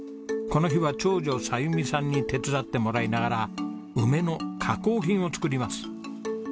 この日は長女沙弓さんに手伝ってもらいながら梅の加工品を作ります。